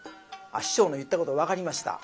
師匠の言ったこと分かりました。